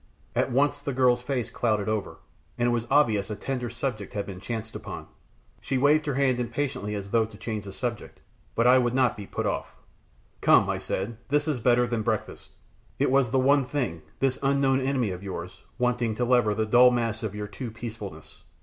At once the girl's face clouded over, and it was obvious a tender subject had been chanced upon. She waved her hand impatiently as though to change the subject, but I would not be put off. "Come," I said, "this is better than breakfast. It was the one thing this unknown enemy of yours wanting to lever the dull mass of your too peacefulness.